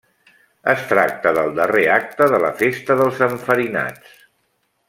Es tracta del darrer acte de la Festa dels enfarinats.